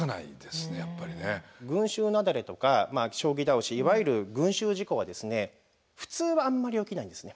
群集雪崩とか将棋倒しいわゆる群衆事故はですね普通はあんまり起きないんですね。